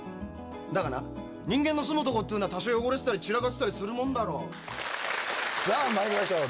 「だがな人間の住むとこっていうのは多少汚れてたり散らかってたりするもんだろ」さあ参りましょう。